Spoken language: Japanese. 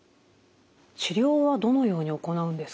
治療はどのように行うんですか？